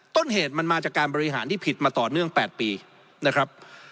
ต้นเหตุมันมาจากการบริหารที่ผิดมาต่อเนื่อง๘ปีนะครับ